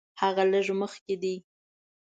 هغه لږ مخکې دی.